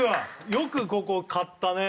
よくここ買ったね